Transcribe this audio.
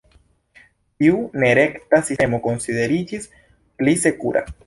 Tiu nerekta sistemo konsideriĝis "pli sekura".